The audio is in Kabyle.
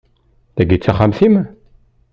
Tagi d taxxamt-im?